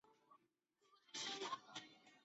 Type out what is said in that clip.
李泰是李世民与长孙皇后的次子。